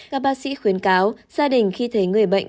các bác sĩ khuyến cáo gia đình khi thấy người bệnh